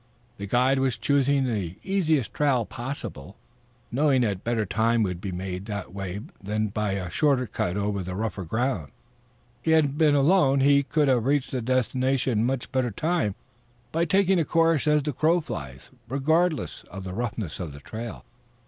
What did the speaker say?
The guide was choosing the easiest trail possible, knowing that better time would be made that way than by a shorter cut over rougher ground. Had he been alone he could have reached his destination in much better time by taking a course as the crow flies, regardless of the roughness of the trail.